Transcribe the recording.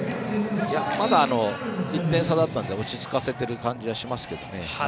まだ、１点差だったので落ち着かせている感じはしますけど。